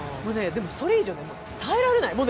それ以上、耐えられない。